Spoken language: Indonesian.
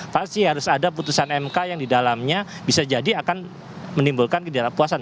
pasti harus ada putusan mk yang didalamnya bisa jadi akan menimbulkan ketidakrapuasan